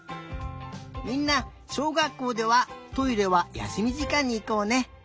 みんなしょうがっこうではトイレはやすみじかんにいこうね。